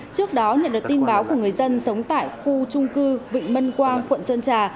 trước đó nhận được tin báo của người dân sống tại khu trung cư vịnh mân quang quận sơn trà